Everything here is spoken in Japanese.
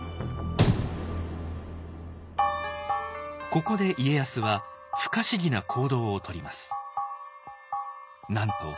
ここで家康は不可思議な行動をとります。